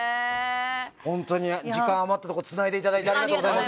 本当に時間が余ったところつないでいただいてありがとうございます。